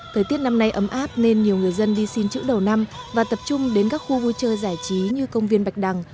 thời tiết năm nay ấm áp nên nhiều người dân đi xin chữ đầu năm và tập trung đến các khu vui chơi giải trí như công viên bạch đằng